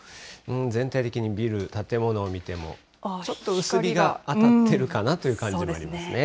全体的にビル、建物を見てもちょっと薄日が当たっているかなという感じもありますね。